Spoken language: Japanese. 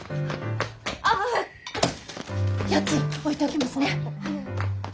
家賃置いておきますね。